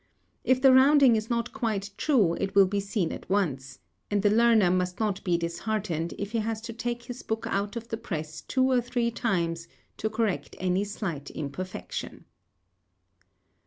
If the rounding is not quite true it will be seen at once, and the learner must not be disheartened if he has to take his book out of the press two or three times to correct any slight imperfection.